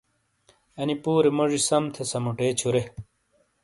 انی پُورے موجی سم تھے سمُوٹے چھُورے۔